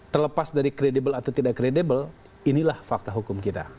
terlepas dari kredibel atau tidak kredibel inilah fakta hukum kita